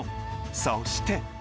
そして。